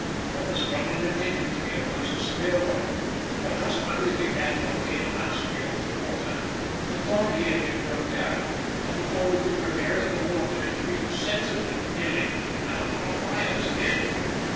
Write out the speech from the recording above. But the struggle continued to be a most severe one, for just when we began to obtain a mastery over the water the donkey engine broke down, and before we could repair it the water increased sensibly, nearly putting out our fires again.